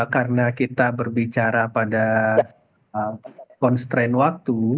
karena kita berbicara pada constraint waktu